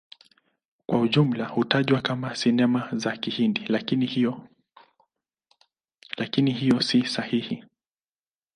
Kwa ujumla hutajwa kama Sinema za Kihindi, lakini hiyo si sahihi.